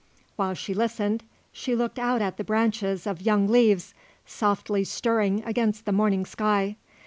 While she listened she looked out at the branches of young leaves, softly stirring against the morning sky.